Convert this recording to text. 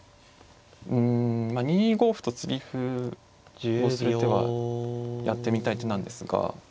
うんまあ２五歩と継ぎ歩をする手はやってみたい手なんですが。